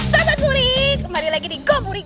sobat puri kembali lagi di go puri